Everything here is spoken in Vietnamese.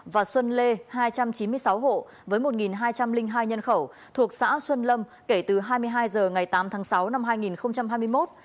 và xuân lê hai trăm chín mươi sáu hộ với một hai trăm linh hai nhân khẩu thuộc xã xuân lâm kể từ hai mươi hai h ngày tám tháng sáu năm hai nghìn hai mươi một